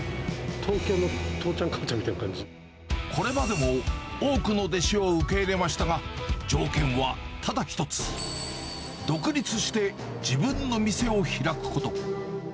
東京の父ちゃん母ちゃんみたいなこれまでも多くの弟子を受け入れましたが、条件はただ一つ、独立して自分の店を開くこと。